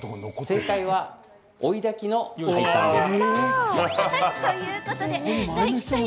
正解は追いだきの配管です。